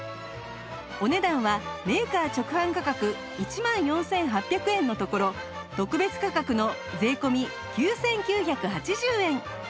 お値段はメーカー直販価格１万４８００円のところ特別価格の税込９９８０円